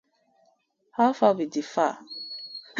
How far wit di far?